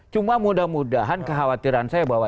cuma mudah mudahan kekhawatiran saya bahwa